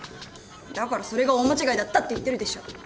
だからそれが大間違いだったって言ってるでしょ。